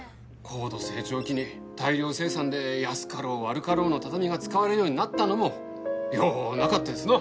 高度成長期に大量生産で安かろう悪かろうの畳が使われるようになったのもようなかったですな。